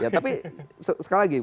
tapi sekali lagi